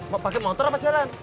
pakai motor apa jalan